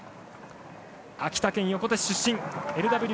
秋田県横手市出身。